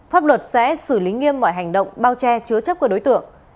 pháp luật sẽ xử lý nghiêm mọi hành động bao che chứa chấp của đối tượng